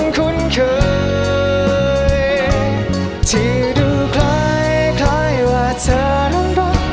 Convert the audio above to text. คงเป็นเพราะฉันคิดไปเองทุกนั้น